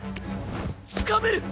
つかめる！